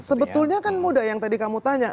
sebetulnya kan muda yang tadi kamu tanya